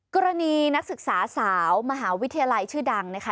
นักศึกษาสาวมหาวิทยาลัยชื่อดังนะคะ